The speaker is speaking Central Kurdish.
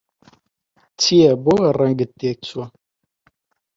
چییە، بۆ وا ڕەنگت تێکچووە؟